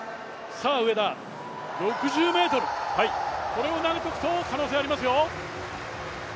６０ｍ、これを投げておくと可能性、ありますよ。